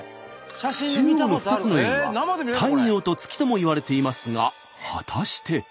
中央の２つの円は太陽と月ともいわれていますが果たして。